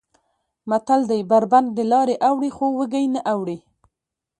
متل دی: بر بنډ دلارې اوړي خو وږی نه اوړي.